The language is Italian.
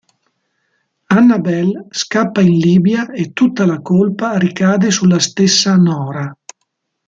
Annabelle scappa in Libia e tutta la colpa ricade sulla stessa Nora.